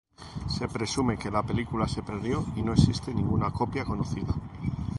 Se presume que la película se perdió y no existe ninguna copia conocida.